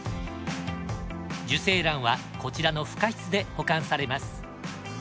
受精卵はこちらの孵化室で保管されます。